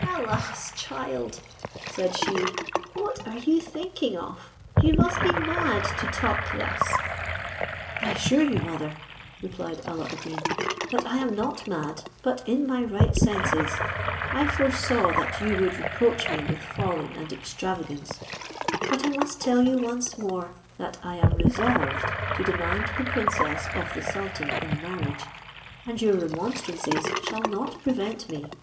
"Alas! child," said she, "what are you thinking of? you must be mad to talk thus." "I assure you, mother," replied Alla ad Deen, "that I am not mad, but in my right senses; I foresaw that you would reproach me with folly and extravagance; but I must tell you once more that I am resolved to demand the princess of the sultan in marriage, and your remonstrances shall not prevent me."